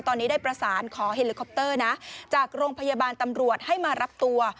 ตอนนี้ได้ประสานขอเฮลิคอปเตอร์นะจากโรงพยาบาลตำรวจให้มารับตัว